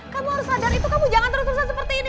kamu harus sadar itu kamu jangan terus terusan seperti ini